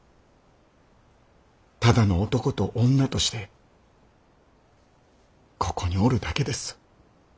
ただの男と女としてここにおるだけです。